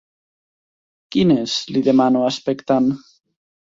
Quines? —li demano, expectant.